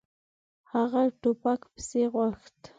هغه ټوپک پسې غوښت.